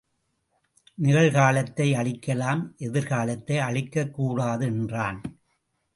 நிகழ்காலத்தை அழிக்கலாம் எதிர்காலத்தை அழிக்கக் கூடாது என்றான்.